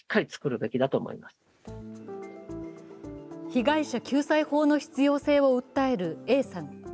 被害者救済法の必要性を訴えるＡさん。